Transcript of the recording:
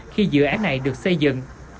khi dự án này được xây dựng